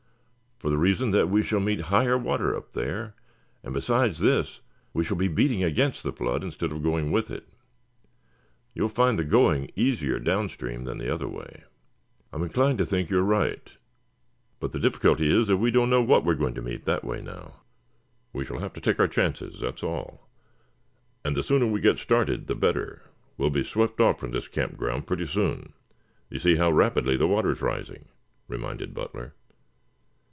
"For the reason that we shall meet higher water up there, and besides this we shall be beating against the flood instead of going with it. You will find the going easier downstream than the other way." "I am inclined to think you are right. But the difficulty is that we don't know what we are going to meet that way now." "We shall have to take our chances, that's all. And the sooner we get started the better. We'll be swept off from this camp ground pretty soon. You see how rapidly the water is rising?" reminded Butler.